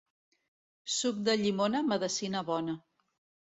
Suc de llimona, medecina bona.